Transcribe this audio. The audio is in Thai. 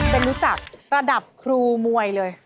เป็นรู้จักระดับครูมวยเลย